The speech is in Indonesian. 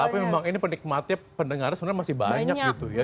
tapi memang ini penikmatnya pendengarnya sebenarnya masih banyak gitu ya